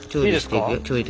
いいですか？